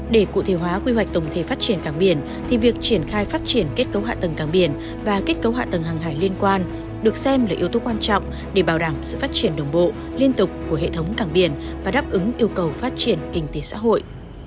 để cụ thể hóa quy hoạch tổng thể phát triển cảng biển thì việc triển khai phát triển kết cấu hạ tầng cảng biển và kết cấu hạ tầng hàng hải liên quan được xem là yếu tố quan trọng để bảo đảm sự phát triển đồng bộ liên tục của hệ thống cảng biển và đáp ứng yêu cầu phát triển kinh tế xã hội